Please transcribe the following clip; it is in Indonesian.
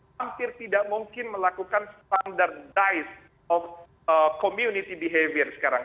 hampir tidak mungkin melakukan standardise of community behavior sekarang